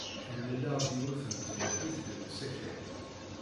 Mlaleɣ-d yiwet n tmidit deg usakal.